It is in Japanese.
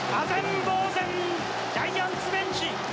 唖然呆然ジャイアンツベンチ！